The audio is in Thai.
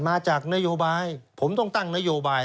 มาจากนโยบายผมต้องตั้งนโยบาย